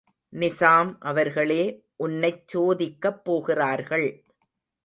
நிசாம் அவர்களே உன்னைச் சோதிக்கப்போகிறார்கள்.